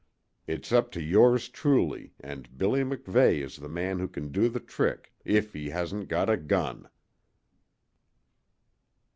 "It's up to yours truly, and Billy MacVeigh is the man who can do the trick, if he hasn't got a gun!"